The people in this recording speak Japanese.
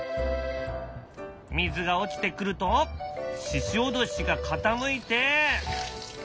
水が落ちてくるとししおどしが傾いて。